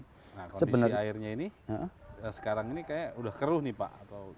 nah kondisi airnya ini sekarang ini kayaknya udah keruh nih pak